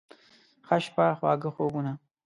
ښه شپه، خواږه خوبونه